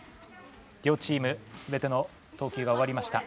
両チーム全ての投球が終わりました。